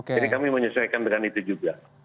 jadi kami menyesuaikan dengan itu juga